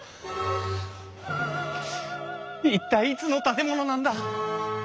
一体いつの建物なんだ！